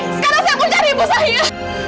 sekarang saya akan cari ibu saya